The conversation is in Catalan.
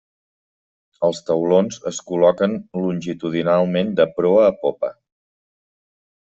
Els taulons es col·loquen longitudinalment de proa a popa.